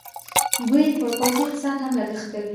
دوی په پوځي اقتصاد هم لګښت کوي.